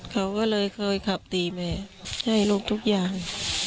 เขาก็เลยเคยขับตีแม่ใช่ลูกทุกอย่าง